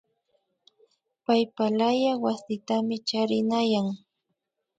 Paypalaya wasitami charinayan